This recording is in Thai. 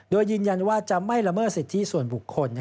โดยยืนยันว่าจะไม่ละเมิดสิทธิส่วนบุคคล